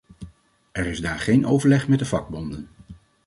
Er is daar geen overleg met de vakbonden.